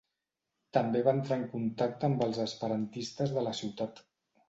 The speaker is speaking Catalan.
També va entrar en contacte amb els esperantistes de la ciutat.